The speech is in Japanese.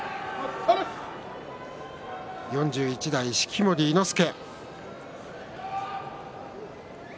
４１代、式守伊之助。